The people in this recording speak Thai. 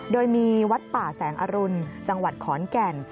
โดยมีวัดป่าแสงอรุณจังหวัดขอนแก่น